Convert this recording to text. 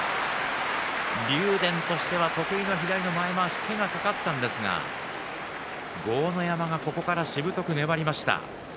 竜電としては得意の左の前まわしに手が掛かったんですが豪ノ山がここからしぶとく粘りました。